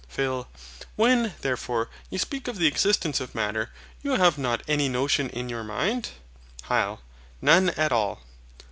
PHIL. When, therefore, you speak of the existence of Matter, you have not any notion in your mind? HYL. None at all.